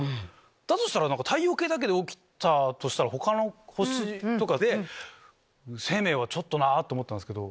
だとしたら太陽系だけで起きたとしたら他の星とかで生命はちょっとなぁと思ったんすけど。